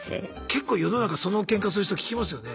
結構世の中そのけんかする人聞きますよね。